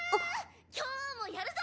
今日もやるぞ！